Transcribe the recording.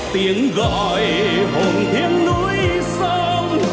tiếng gọi hồn tiếng núi sông